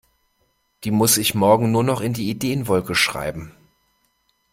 Die muss ich morgen nur noch in die Ideenwolke schreiben.